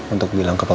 untuk bilang ke bapak